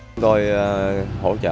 chúng tôi hỗ trợ các doanh nghiệp